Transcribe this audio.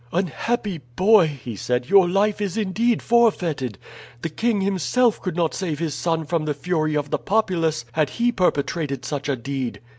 "Unhappy boy," he said, "your life is indeed forfeited. The king himself could not save his son from the fury of the populace had he perpetrated such a deed."